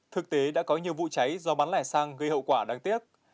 thực tế đã có nhiều vụ cháy do bán lẻ xăng gây hậu quả đáng tiếc